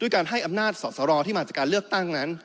การให้อำนาจสอสรที่มาจากการเลือกตั้งนั้น